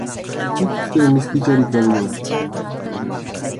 Pitaq chay mistichari kanman.